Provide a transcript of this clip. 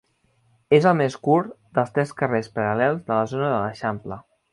És el més curt dels tres carrers paral·lels de la zona de l'eixample.